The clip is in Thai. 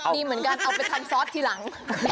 ดีเหมือนกันเอาไปทำซอสทีหลัง